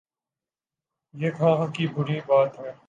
یہ کہاں کی بری بات ہے؟